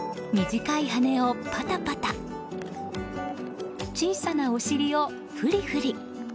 短い羽をパタパタ小さなお尻を振り振り。